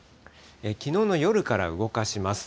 きのうの夜から動かします。